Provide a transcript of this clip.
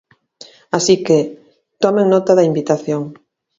Así que, tomen nota da invitación.